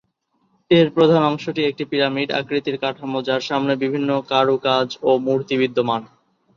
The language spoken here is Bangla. এর প্রধান অংশটি একটি পিরামিড আকৃতির কাঠামো যার সামনে বিভিন্ন কারুকাজ ও মূর্তি বিদ্যমান।